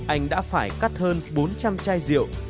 anh đã phải cắt hơn bốn trăm linh chai rượu